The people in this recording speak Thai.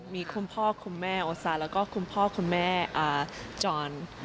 มีคุณพ่อคุณแม่โอซาแล้วก็คุณพ่อคุณแม่จร